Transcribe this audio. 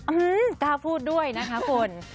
กล้าพูดด้วยนะคะคุณ